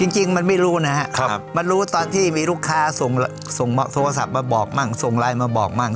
จริงมันไม่รู้นะครับมันรู้ตอนที่มีลูกค้าส่งโทรศัพท์มาบอกมั่งส่งไลน์มาบอกมั่ง